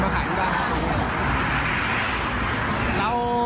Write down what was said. มาขายที่บ้านค่ะ